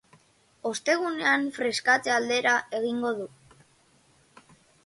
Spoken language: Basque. Ostegunean freskatze aldera egingo du.